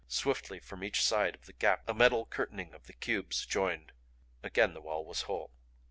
Swiftly from each side of the gap a metal curtaining of the cubes joined. Again the wall was whole.